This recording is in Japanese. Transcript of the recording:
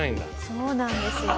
そうなんですよ。